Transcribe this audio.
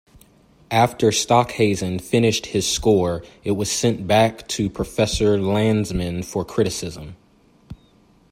After Stockhausen finished his score, it was sent back to Professor Landesmann for criticism.